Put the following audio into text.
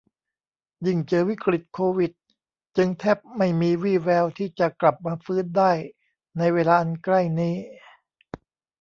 ยิ่งเจอวิกฤตโควิด จึงแทบไม่มีวี่แววที่จะกลับมาฟื้นได้ในเวลาอันใกล้นี้